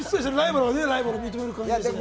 ライバルが認める感じでしたね。